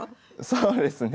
そうですね。